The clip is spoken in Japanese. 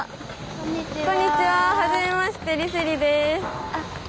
こんにちは。